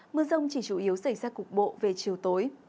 mưa rông chỉ chủ yếu xảy ra cục bộ về chiều tối